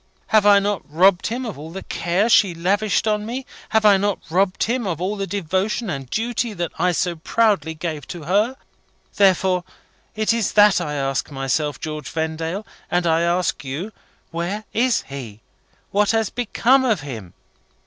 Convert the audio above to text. Have I not robbed him of all the care she lavished on me? Have I not even robbed him of all the devotion and duty that I so proudly gave to her? Therefore it is that I ask myself, George Vendale, and I ask you, where is he? What has become of him?"